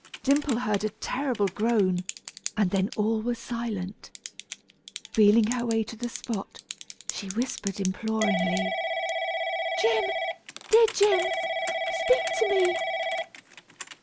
Dimple heard a terrible groan, and then all was silent. Feeling her way to the spot, she whispered imploringly, "Jim, dear Jim, speak to me!"